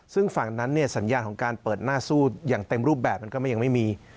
ซึ่งฝั่งนั้นเนี่ยสัญญาณของการเปิดหน้าสู้อย่างเต็มรูปแบบมันก็ยังไม่มี